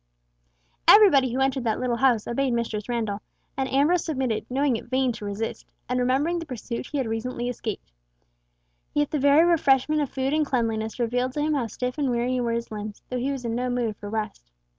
Everybody who entered that little house obeyed Mistress Randall, and Ambrose submitted, knowing it vain to resist, and remembering the pursuit he had recently escaped; yet the very refreshment of food and cleanliness revealed to him how stiff and weary were his limbs, though he was in no mood for rest.